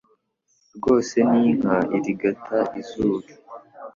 rwose nk'inka irigata izuru